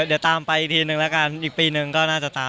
เดี๋ยวตามไปอีกทีนึงแล้วกันอีกปีหนึ่งก็น่าจะตาม